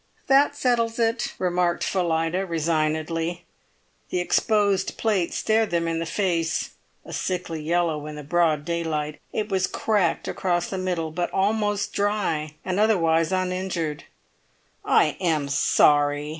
"That settles it," remarked Phillida, resignedly. The exposed plate stared them in the face, a sickly yellow in the broad daylight. It was cracked across the middle, but almost dry and otherwise uninjured. "I am sorry!"